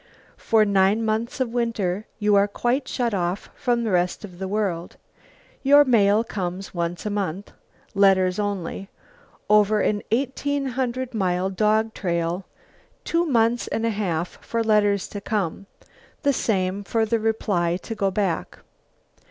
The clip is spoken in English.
For nine months of winter you are quite shut off from the rest of the world. Your mail comes once a month, letters only, over an eighteen hundred mile dog trail; two months and a half for letters to come; the same for the reply to go back.